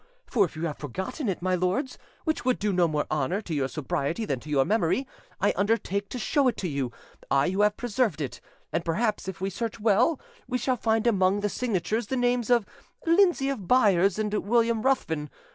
for if you have forgotten it, my lords, which would do no more honour to your sobriety than to your memory, I undertake to show it to you, I who have preserved it; and perhaps if we search well we shall find among the signatures the names of Lindsay of Byres and William Ruthven.